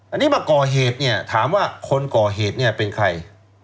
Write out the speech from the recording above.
อันนี้มาก่อเหตุเนี่ยถามว่าคนก่อเหตุเนี่ยเป็นใคร